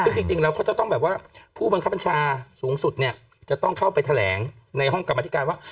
ซึ่งจริงแล้วเขาจะต้องแบบว่าผู้บังคับบัญชาสูงสุดเนี่ยจะต้องเข้าไปแถลงในห้องกรรมธิการว่า